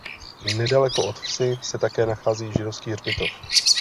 Nedaleko od vsi se také nachází židovský hřbitov.